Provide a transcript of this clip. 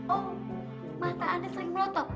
oh mata anda sering melotok